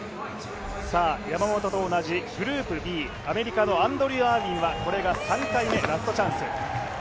山本と同じグループＢ、アメリカのアンドリュー・アーウィンはこれが３回目、ラストチャンス。